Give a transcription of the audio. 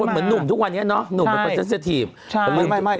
มันเหมือนหนุ่มทุกวันเนี่ยเนาะหนุ่มเป็นประเศษฐีป